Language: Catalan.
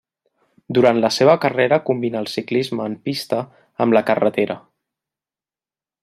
Durant la seva carrera combinà el ciclisme en pista amb la carretera.